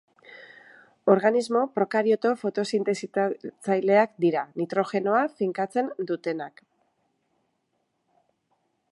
Organismo prokarioto fotosintetizatzaileak dira, nitrogenoa finkatzen dutenak.